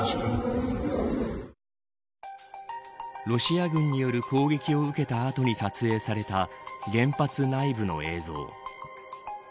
ロシア軍による攻撃を受けた後に撮影された原発内部の映像。